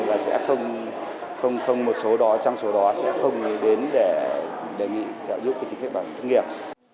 và sẽ không một số đó trong số đó sẽ không đến để đề nghị thất nghiệp